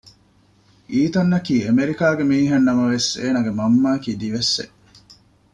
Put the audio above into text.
އީތަންއަކީ އެމެރިކާގެ މީހެއް ނަމަވެސް އޭނާގެ މަންމައަކީ ދިވެއްސެއް